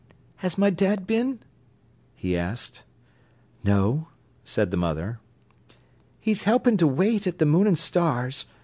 "Has my dad been?" he asked. "No," said the mother. "He's helping to wait at the Moon and Stars.